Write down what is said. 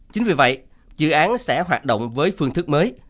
chính vì vậy dự án sẽ hoạt động với phương thức mới